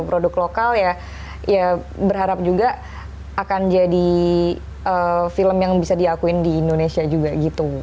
produk lokal ya berharap juga akan jadi film yang bisa diakuin di indonesia juga gitu